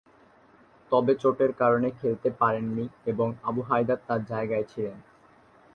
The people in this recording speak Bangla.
তবে চোটের কারণে খেলতে পারেননি এবং আবু হায়দার তার জায়গায় ছিলেন।